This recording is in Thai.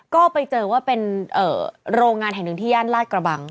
ก็ไปเจอว่าเป็นโรงงานแห่งหนึ่งที่ย่านลาดกระบัง